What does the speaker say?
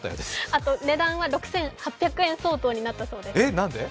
あと値段は６８００円相当になったそうです。